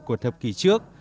của thập kỷ trước